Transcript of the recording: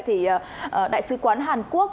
thì đại sứ quán hàn quốc